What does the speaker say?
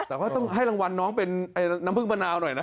แต่ก็ต้องให้รางวัลน้องเป็นน้ำผึ้งมะนาวหน่อยนะ